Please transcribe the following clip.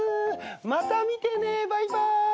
また見てねバイバーイ。